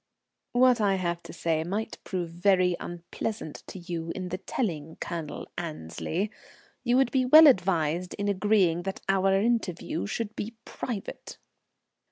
"What I have to say might prove very unpleasant to you in the telling, Colonel Annesley. You would be well advised in agreeing that our interview should be private."